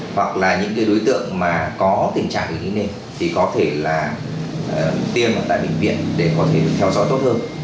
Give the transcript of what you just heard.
hoặc là những đối tượng mà có tình trạng như thế này thì có thể là tiêm tại bệnh viện để có thể theo dõi tốt hơn